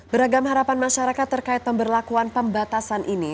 beragam harapan masyarakat terkait pemberlakuan pembatasan ini